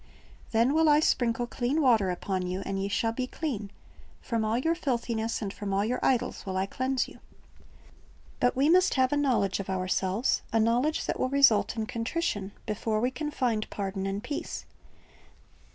"Then will I sprinkle clean water upon you, and ye shall be clean; from all your filthiness and from all your idols will I cleanse you." ' But we must have a knowledge of ourselves, a knowledge that will result in contrition, before we can find pardon and peace.